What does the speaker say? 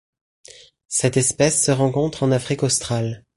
Cette espèce se rencontre en Afrique australe.